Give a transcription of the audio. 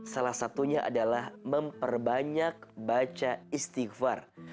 salah satunya adalah memperbanyak baca istighfar